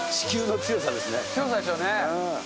強さですよね。